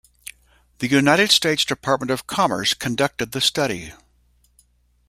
The United States Department of Commerce conducted the study.